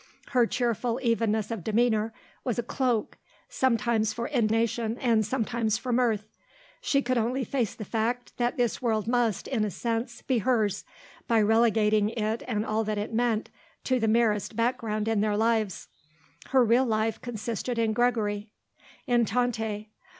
Her cheerful evenness of demeanour was a cloak, sometimes for indignation and sometimes for mirth. She could only face the fact that this world must, in a sense, be hers, by relegating it and all that it meant to the merest background in their lives. Her real life consisted in Gregory; in Tante.